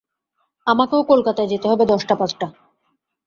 আমাকেও কলকাতায় যেতে হবে–দশটা-পাঁচটা।